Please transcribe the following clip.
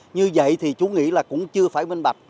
như vậy thì chú nghĩ là cũng chưa phải minh bạch